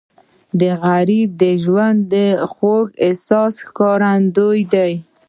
غریب د ژوند د خوږ احساس ښکارندوی دی